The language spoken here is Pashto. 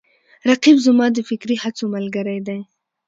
رقیب زما د فکري هڅو ملګری دی